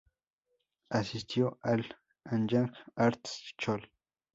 Asistió al Anyang Arts School.